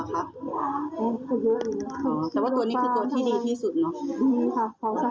แต่ว่าตัวนี้คือตัวที่ดีที่สุดเนาะ